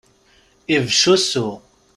Ibecc usu.